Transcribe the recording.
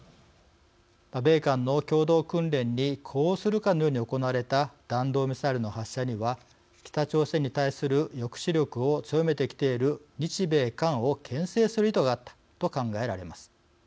米韓の共同訓練に呼応するかのように行われた弾道ミサイルの発射には北朝鮮に対する抑止力を強めてきている日米韓をけん制する意図があったと考えられます。